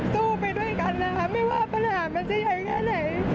ไปด้วยกันนะคะไม่ว่าปัญหามันจะใหญ่แค่ไหน